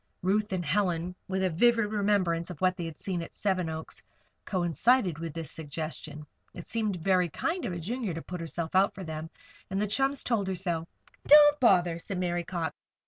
Ruth and Helen, with a vivid remembrance of what they had seen at Seven Oaks, coincided with this suggestion. It seemed very kind of a Junior to put herself out for them, and the chums told her so. "Don't bother," said Mary Cox.